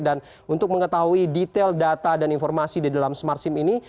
dan untuk mengetahui detail data dan informasi di dalam smart sim ini